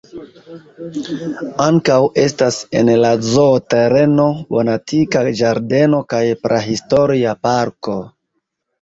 Ankaŭ estas en la zoo-tereno botanika ĝardeno kaj prahistoria parko.